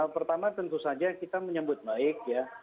pertama tentu saja kita menyebut baik ya